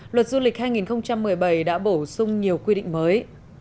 luật du lịch hai nghìn một mươi bảy đã bổ sung nhiều quy định mới